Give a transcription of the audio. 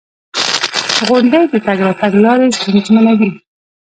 • غونډۍ د تګ راتګ لارې ستونزمنوي.